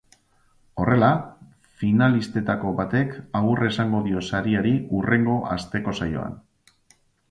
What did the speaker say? Horrela, finalistetako batek agur esango dio sariari hurrengo asteko saioan.